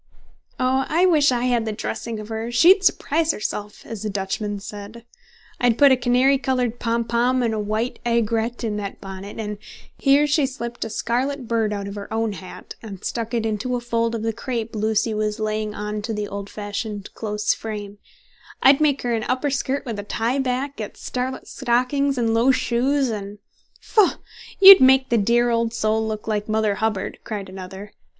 "Oh, I wish I had the dressing of her! 'She'd surprise herself,' as the Dutchman said. I'd put a canary coloured pompon and a white aigrette in that bonnet, and" here she slipped a scarlet bird out of her own hat and stuck it into a fold of the crape Lucy was laying on to the old fashioned close frame "I'd make her an upper skirt with a tie back, get scarlet stockings and low shoes, and" "Pho! you'd make the dear old soul look like Mother Hubbard!" cried another.